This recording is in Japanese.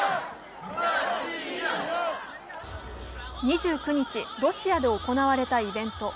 ２９日、ロシアで行われたイベント。